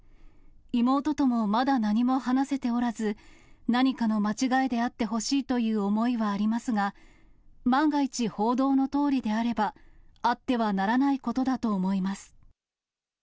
妹ともまだ何も話せておらず、何かの間違えであってほしいという思いはありますが、万が一、報道のとおりであれば、あってはならないことだと思います。